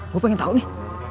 gue pengen tau nih